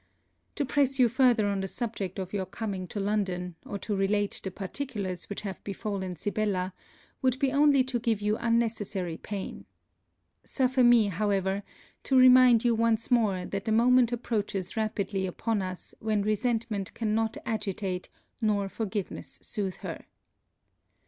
To press you further on the subject of your coming to London, or to relate the particulars which have befallen Sibella, would be only to give you unnecessary pain. Suffer me, however, to remind you once more that the moment approaches rapidly upon us when resentment cannot agitate nor forgiveness soothe her.